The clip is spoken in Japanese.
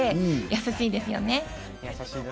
やさしいですよね。